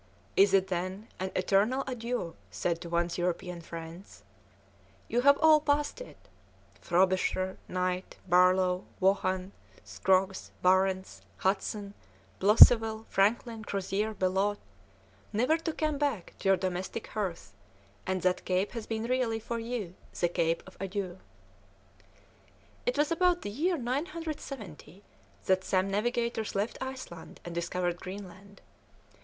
Is it, then, an eternal adieu said to one's European friends? You have all passed it. Frobisher, Knight, Barlow, Vaughan, Scroggs, Barentz, Hudson, Blosseville, Franklin, Crozier, Bellot, never to come back to your domestic hearth, and that cape has been really for you the cape of adieus." It was about the year 970 that some navigators left Iceland and discovered Greenland.